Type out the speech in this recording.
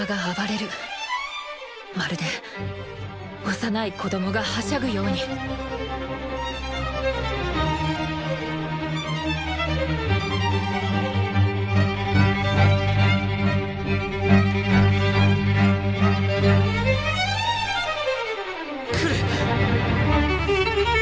まるで幼い子供がはしゃぐように来る！